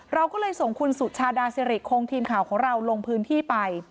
เราก็เลยส่งคุณสุชาดาสิริคงทีมข่าวของเราลงพื้นที่ไป